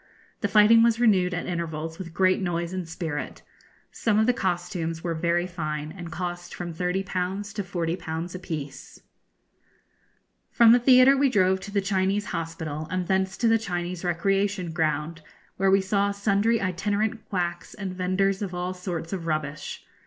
The fighting was renewed at intervals with great noise and spirit. Some of the costumes were very fine, and cost from 30_l_. to 40_l_. apiece. [Illustration: On the Pearl River.] From the theatre we drove to the Chinese hospital, and thence to the Chinese recreation ground, where we saw sundry itinerant quacks and vendors of all sorts of rubbish.